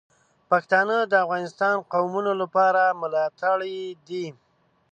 پښتانه د افغانستان د قومونو لپاره ملاتړي دي.